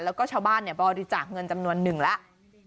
แล้วก็ชาวบ้านบริจาคเงินจำนวนหนึ่งแล้ว